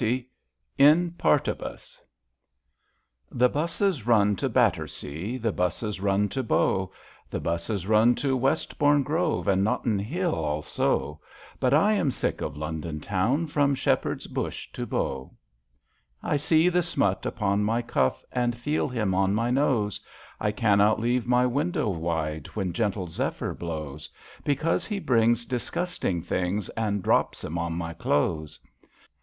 *' IN PAETIBUS n^HE 'buses run to Batter sea, The 'buses run to Bow, The 'buses run to Westbourne Grove, And Nottinghill also; But I am sick of London town. From Shepherd's Bush to Bow. I see the smut upon my cuflf And feel him on my nose ; I cannot leave my window wide When gentle zephyr blows, Bec^ause he brings disgusting things And drops 'em on my clo'es.